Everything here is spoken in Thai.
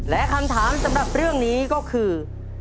และคำถามสำหรับเรื่องนี้ก็คือ